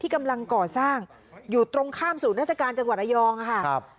ที่กำลังก่อสร้างอยู่ตรงข้ามศูนย์นาฬิการจังหวัดอายองค่ะครับ